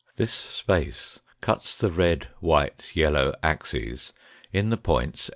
Jhjs space cuts the red, white, yellow axes in the : 5